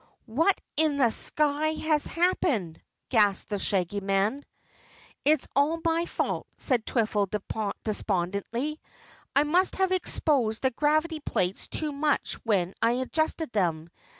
"What in the sky has happened?" gasped the Shaggy Man. "It is all my fault," said Twiffle despondently. "I must have exposed the gravity plates too much when I adjusted them.